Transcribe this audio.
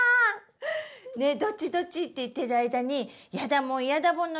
どっちどっちって言ってる間にやだもんやだもんの